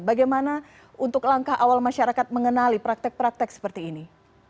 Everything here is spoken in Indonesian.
bagaimana untuk langkah awal masyarakat mengenali praktek praktek seperti ini